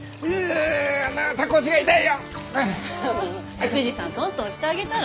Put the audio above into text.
福治さんトントンしてあげたら？